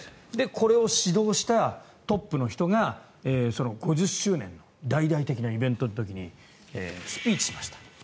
これを指導したトップの人が５０周年の大々的なイベントの時にスピーチしました。